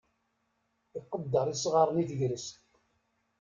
Iqedder isɣaren i tegrest.